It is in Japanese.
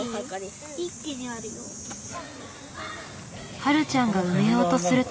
はるちゃんが埋めようとすると。